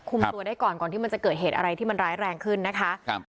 ตัวได้ก่อนก่อนที่มันจะเกิดเหตุอะไรที่มันร้ายแรงขึ้นนะคะครับ